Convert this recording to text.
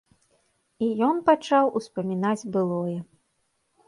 І ён пачаў успамінаць былое.